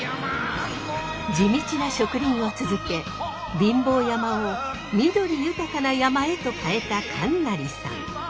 地道な植林を続け貧乏山を緑豊かな山へと変えた神成さん。